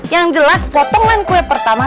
yang jelas potongan kue pertama